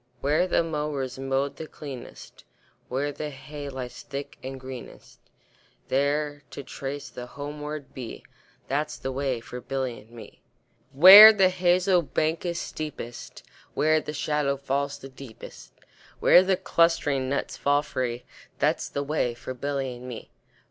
Where the mowers mow the cleanest, Where the hay lies thick and greenest, There to trace the homeward bee, That's the way for Billy and me. Where the hazel bank is steepest, Where the shadow falls the deepest, Where the clustering nuts fall free, That's the way for Billy and me.